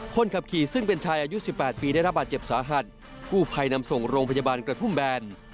คนขับขี่ซึ่งเป็นชายอายุ๑๘ปีได้รับบาดเจ็บสาหัสกู้ภัยนำส่งโรงพยาบาลกระทุ่มแบน